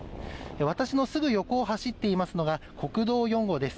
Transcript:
私のすぐ横を走っていますのが国道４号です